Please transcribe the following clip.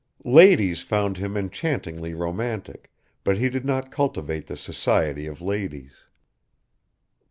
Ladies found him enchantingly romantic, but he did not cultivate the society of ladies